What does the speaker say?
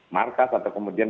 markas atau kemudian